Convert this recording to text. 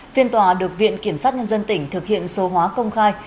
phiên tòa được viện kiểm sát nhân dân tỉnh thực hiện số hóa công khai